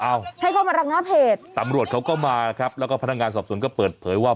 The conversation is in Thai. เอาให้เข้ามาระงับเหตุตำรวจเขาก็มานะครับแล้วก็พนักงานสอบสวนก็เปิดเผยว่า